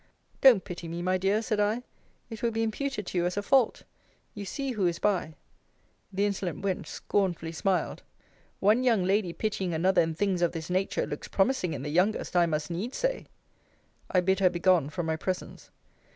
Don't pity me, my dear, said I. It will be imputed to you as a fault. You see who is by. The insolent wench scornfully smiled: One young lady pitying another in things of this nature, looks promising in the youngest, I must needs say. I bid her begone from my presence.